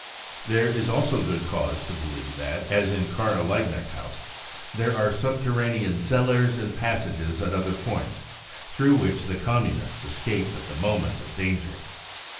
There is also good cause to believe that, as in Karl Lieb knecht house, there are subterranean cellars and pass ages at other points, through which the Communists escape at the moment of danger.